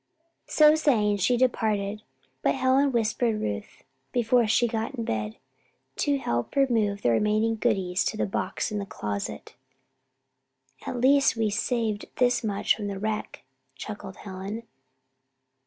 So saying, she departed. But Helen whispered Ruth, before she got in bed, to help remove the remaining goodies to the box in the closet. "At least, we have saved this much from the wreck," chuckled Helen.